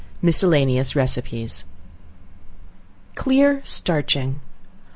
MISCELLANEOUS RECEIPTS. Clear Starching.